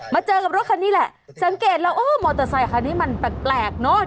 เจอกับรถคันนี้แหละสังเกตแล้วเออมอเตอร์ไซคันนี้มันแปลกเนอะ